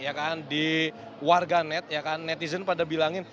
ya kan di warga net netizen pada bilangin